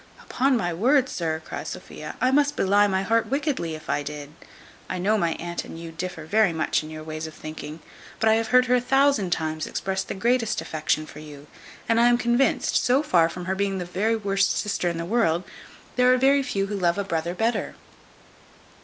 "Upon my word, sir," cries Sophia, "I must belie my heart wickedly if I did. I know my aunt and you differ very much in your ways of thinking; but I have heard her a thousand times express the greatest affection for you; and I am convinced, so far from her being the worst sister in the world, there are very few who love a brother better."